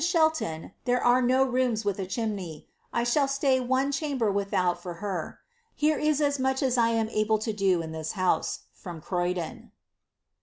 She ton, there are no rooms with a cliimney; I shall stay one rhnmber wiihoiit k her. Here is as much as I am able to do in this liouse. From Croyilon."'